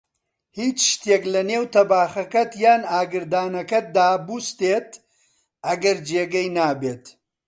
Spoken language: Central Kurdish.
هیچ شتێک لەنێو تەباخەکەت یان ئاگردانەکەت دا بووستێت، ئەگەر جێگەی نابێت